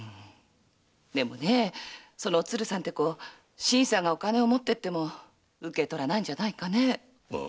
でもねそのおつるさんは新さんがお金を持っていっても受け取らないんじゃないかね？